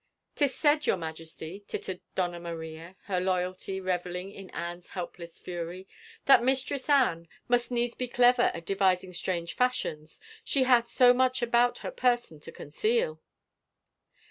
" Tis said, your Majesty," tittered Donna Maria, her loyalty reveling in Anne's helpless fury, "that Mistress Anne must needs be clever at devising strange fashions — she hath so much about her person to conceal